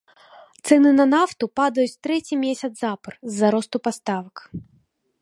Цэны на нафту падаюць трэці месяц запар з-за росту паставак.